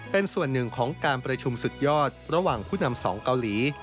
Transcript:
เป็นส่วนหนึ่งของการประชุมสุดยอดระหว่างผู้นำสองเกาหลี